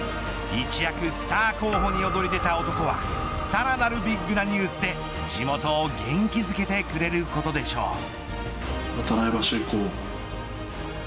一躍スター候補に躍り出た男はさらなるビッグなニュースで地元を元気付けてくれることでしょう。